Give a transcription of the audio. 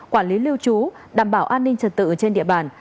quản lý lưu trú đảm bảo an ninh trật tự trên địa bàn